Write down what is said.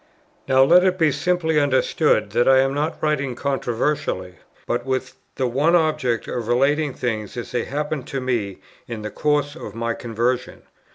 Now let it be simply understood that I am not writing controversially, but with the one object of relating things as they happened to me in the course of my conversion.